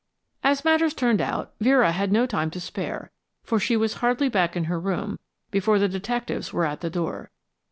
As matters turned out, Vera had no time to spare, for she was hardly back in her room before the detectives were at the door.